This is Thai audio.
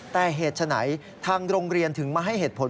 แต่เหตุฉะไหนทางโรงเรียนถึงมาให้เหตุผล